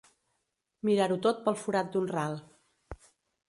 Mirar-ho tot pel forat d'un ral.